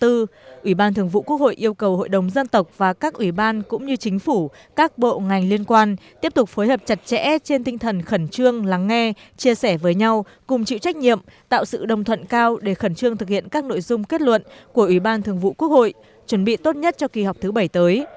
ủy ban thường vụ quốc hội yêu cầu hội đồng dân tộc và các ủy ban cũng như chính phủ các bộ ngành liên quan tiếp tục phối hợp chặt chẽ trên tinh thần khẩn trương lắng nghe chia sẻ với nhau cùng chịu trách nhiệm tạo sự đồng thuận cao để khẩn trương thực hiện các nội dung kết luận của ủy ban thường vụ quốc hội chuẩn bị tốt nhất cho kỳ họp thứ bảy tới